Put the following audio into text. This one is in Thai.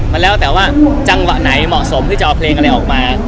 มันแล้วแต่ว่าจังหวะไหนเหมาะสมที่จะเอาเพลงอะไรออกมา